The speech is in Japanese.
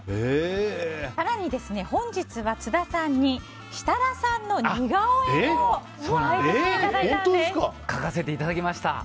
更に、本日は津田さんに設楽さんの似顔絵を描かせていただきました。